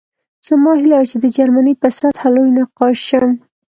زما هیله وه چې د جرمني په سطحه لوی نقاش شم